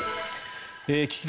岸田